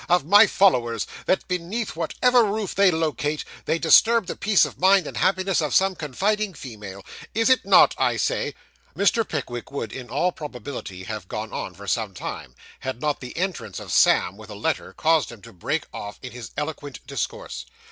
of my followers, that, beneath whatever roof they locate, they disturb the peace of mind and happiness of some confiding female? Is it not, I say ' Mr. Pickwick would in all probability have gone on for some time, had not the entrance of Sam, with a letter, caused him to break off in his eloquent discourse.